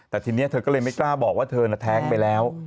แต่ทีนี้เธอก็เลยไม่กล้าบอกว่าเธอน่ะแท้งไปแล้ว